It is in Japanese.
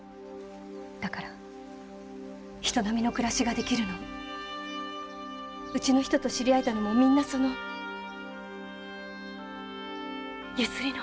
だから人並みの暮らしができるのもうちの人と知り合えたのもみんなそのゆすりのおかげ。